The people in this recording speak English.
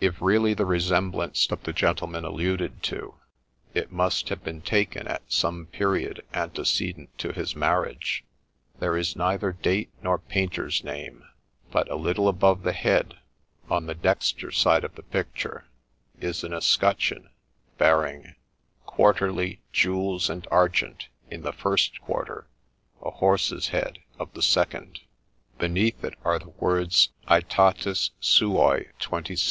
If really the resemblance of the gentleman alluded to, it must have been taken at some period antecedent to his marriage. There is neither date nor painter's name ; but, a little above the head, on the dexter side of the picture, is an escutcheon, bearing ' Quarterly, Gules and Argent, in the first quarter a horse's head of the second '; beneath it are the words 'Mtatis suae 26.'